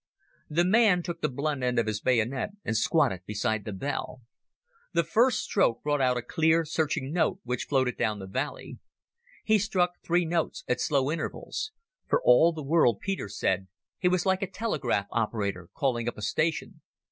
The man took the blunt end of his bayonet and squatted beside the bell. The first stroke brought out a clear, searching note which floated down the valley. He struck three notes at slow intervals. For all the world, Peter said, he was like a telegraph operator calling up a station.